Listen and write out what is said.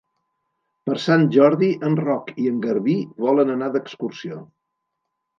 Per Sant Jordi en Roc i en Garbí volen anar d'excursió.